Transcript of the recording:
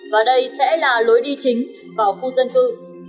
và đây sẽ là lối đi chính vào khu dân cư